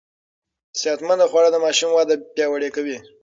صحتمند خواړه د ماشوم وده پياوړې کوي.